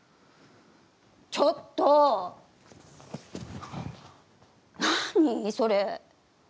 ちょっと何それ？